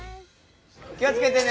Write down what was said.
気を付けてね！